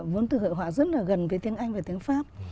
vốn từ hội họa rất là gần với tiếng anh và tiếng pháp